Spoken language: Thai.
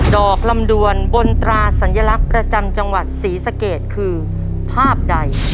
ดอกลำดวนบนตราสัญลักษณ์ประจำจังหวัดศรีสะเกดคือภาพใด